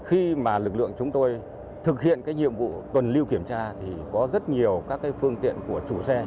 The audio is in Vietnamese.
khi mà lực lượng chúng tôi thực hiện cái nhiệm vụ tuần lưu kiểm tra thì có rất nhiều các phương tiện của chủ xe